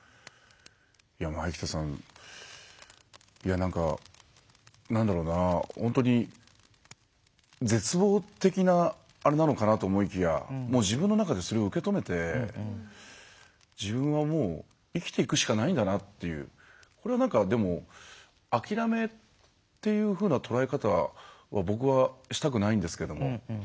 前北さんなんだろうな、本当に絶望的なあれなのかなと思いきや自分の中で、それを受け止めて自分は、もう生きていくしかないんだなっていうこれは諦めというふうな捉え方を僕はしたくないんですけど。